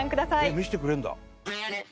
えっ見せてくれるんだ。